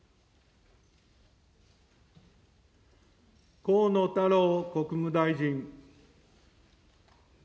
河野太郎国務大臣。